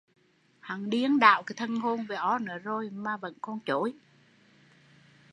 Hắn điên đảo thần hồn với O nớ rồi mà vẫn còn chối